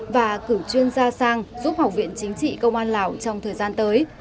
và cử chuyên gia sang giúp học viện chính trị công an lào trong thời gian tới